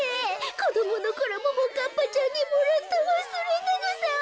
こどものころももかっぱちゃんにもらったワスレナグサを。